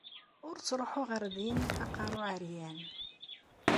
Ur ttruḥu ɣer din aqerru ɛeryan.